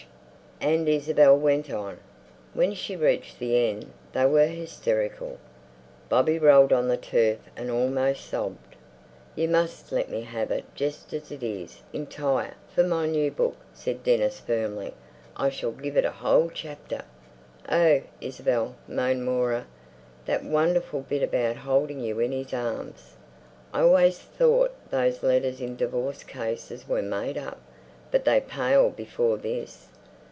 And Isabel went on. When she reached the end they were hysterical: Bobby rolled on the turf and almost sobbed. "You must let me have it just as it is, entire, for my new book," said Dennis firmly. "I shall give it a whole chapter." "Oh, Isabel," moaned Moira, "that wonderful bit about holding you in his arms!" "I always thought those letters in divorce cases were made up. But they pale before this."